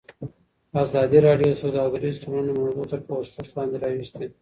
ازادي راډیو د سوداګریز تړونونه موضوع تر پوښښ لاندې راوستې.